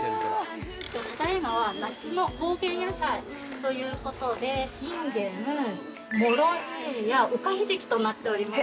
◆ただいまは夏の高原野菜ということで、インゲン、モロヘイヤ、おかひじきとなっております。